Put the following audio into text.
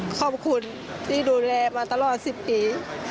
ขอบคุณที่ดูแลมาตลอด๑๐ปี